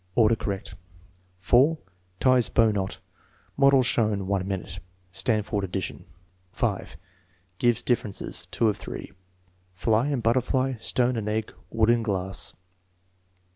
Order correct.) 4. Tics bow knot. (Model shown. 1 minute.) (Stanford ad dition.) 5. Gives differences. (2 of 3.) Fly and butterfly; stone and egg; wood and glass.